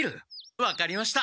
分かりました。